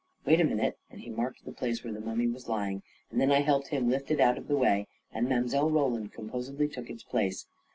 Wait a min ute," and he marked the place where the mummy was lying, and then I helped him lift it out of the way, and Mile. Roland composedly took its place.